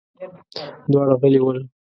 دواړه غلي ول.